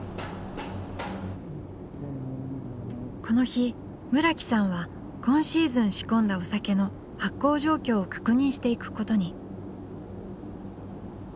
この日村木さんは今シーズン仕込んだお酒の発酵状況を確認していくことに。